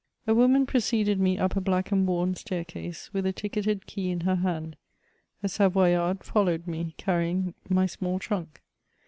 A wom'an preceded me up a black and worn staircase^ with a ticketed key in her hand ; a Savoyard followed me^ dUnying my small truxdc.